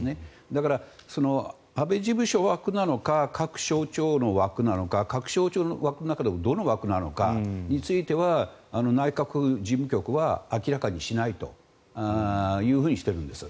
だから、安倍事務所枠なのか各省庁の枠なのか各省庁の枠の中でもどの枠なのかについては内閣府事務局は明らかにしないとしているんです。